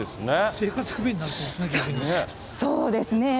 生活不便になりそうですね、そうですね。